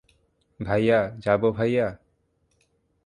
ভাইয়া, যাবো ভাইয়া?